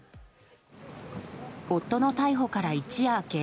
夫の逮捕から一夜明け